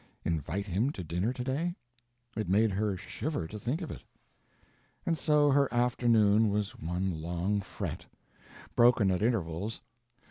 Invite him to dinner to day? It made her shiver to think of it. And so her afternoon was one long fret. Broken at intervals.